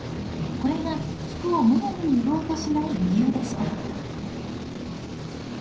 これが服をむやみに売ろうとしない理由でした。